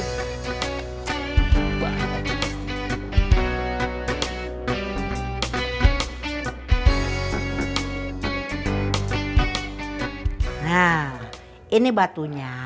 nah ini batunya